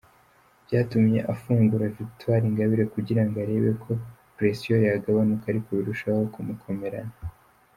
Byatumye afungura Victoire Ingabire kugirango arebe ko pression yagabanuka ariko birushaho kumukomerana.